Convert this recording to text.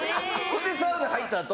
ほんでサウナ入った後。